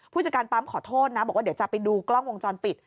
ผู้จัดการปั๊มขอโทษนะบอกว่าเดี๋ยวจะไปดูกล้องวงจรปิด